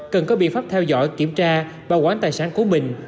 cần có biện pháp theo dõi kiểm tra bao quán tài sản của mình